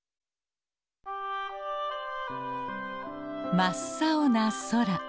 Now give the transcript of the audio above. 真っ青な空。